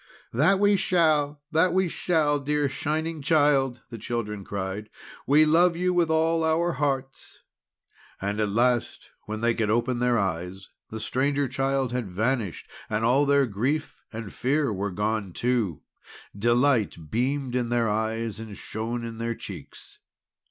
"That we shall! that we shall! dear Shining Child!" the children cried. "We love you with all our hearts!" And at last when they could open their eyes, the Stranger Child had vanished; and all their grief and fear were gone, too. Delight beamed in their eyes and shone in their cheeks.